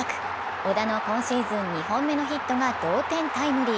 小田の今シーズン２本目のヒットが同点タイムリー。